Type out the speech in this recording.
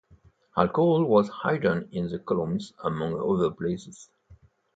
Alcohol was hidden in the columns among other places.